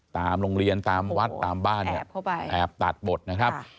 ตามโรงเรียนตามวัดตามบ้านเนี่ยแอบตัดบทนะครับ